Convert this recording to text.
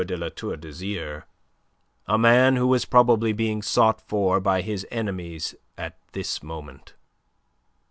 de La Tour d'Azyr, a man who was probably being sought for by his enemies at this moment.